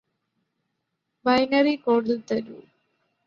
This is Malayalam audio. ബൈനറി കോഡില് തരൂ